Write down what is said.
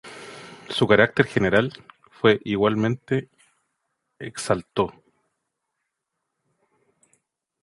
Su carácter general, fue igualmente exaltó.